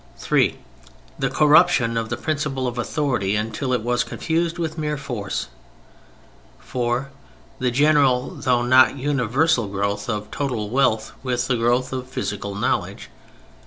(3) The corruption of the principle of authority until it was confused with mere force. (4) The general, though not universal, growth of total wealth with the growth of physical knowledge.